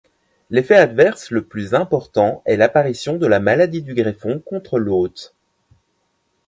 L'effet adverse le plus important est l'apparition de la maladie du greffon contre l'hôte.